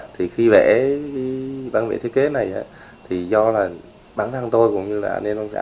thì khi vẽ bán việc thiết kế này thì do là bản thân tôi cũng như là anh em ông xã